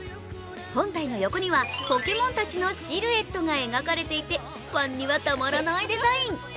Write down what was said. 本体の横にはポケモンたちのシルエットが描かれていて、ファンにはたまらないデザイン。